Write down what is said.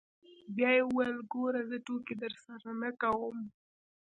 بيا يې وويل ګوره زه ټوکې درسره نه کوم.